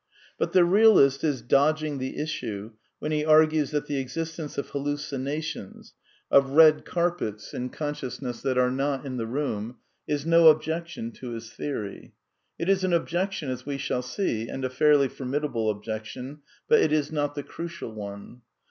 But the realist is dodging the issue when he argues that the existence of hallucinations — of red carpets in con 218 A DEFENCE OF IDEALISM sciousness that are not in the room — is no objection to his theory. It is an objection, as we shall see, and a fairly formidable objection, but it is not the crucial one.